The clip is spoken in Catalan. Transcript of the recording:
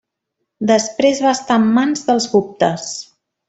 Després va estar en mans dels guptes.